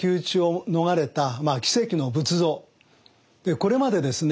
これまでですね